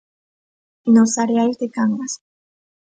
Nos areais de Cangas.